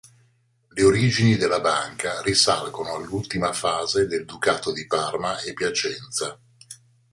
Le origini della banca risalgono all’ultima fase del ducato di Parma e Piacenza.